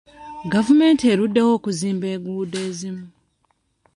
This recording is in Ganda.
Gavumenti eruddewo okuzimba enguudo ezimu.